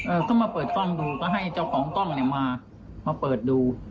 เออก็มาเปิดกล้องดูก็ให้เจ้าของกล้องเนี้ยมามาเปิดดู